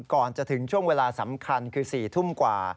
ก่อนจะถึงช่วงเวลาสำคัญคือ๔ทุ่มกว่า